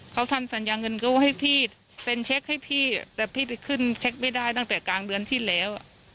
เขาทำสัญญาเงินกู้ให้พี่เป็นเช็คให้พี่แต่พี่ไปขึ้นเช็คไม่ได้ตั้งแต่กลางเดือนที่แล้ว